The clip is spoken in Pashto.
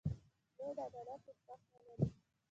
دوی د عدالت احساس نه لري.